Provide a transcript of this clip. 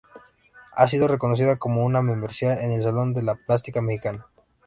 Ha sido reconocida con una membresía en el Salón de la Plástica Mexicana.